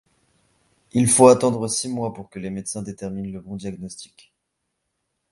Il faut attendre six mois pour que les médecins déterminent le bon diagnostic.